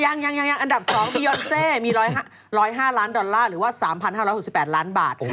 ยังอันดับ๒บียอนเซมี๑๐๕ล้านดอลลาร์หรือว่า๓๕๖๘ล้านบาท